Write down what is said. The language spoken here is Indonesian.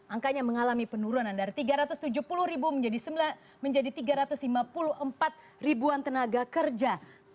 angkanya mengalami penurunan dari tiga ratus tujuh puluh ribu menjadi tiga ratus lima puluh empat ribuan tenaga kerja